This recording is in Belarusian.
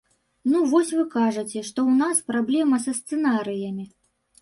Ну вось вы кажаце, што ў нас праблема са сцэнарыямі.